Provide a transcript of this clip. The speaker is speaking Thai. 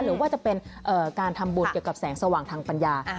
หรือว่าจะเป็นการทำบุญเกี่ยวกับแสงสว่างทางปัญญา